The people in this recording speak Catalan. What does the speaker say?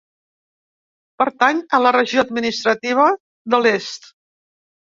Pertany a la regió administrativa de l'est.